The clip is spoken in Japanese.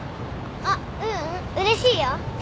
あっううんうれしいよ。